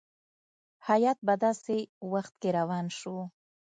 هیات په داسي وخت کې روان شو.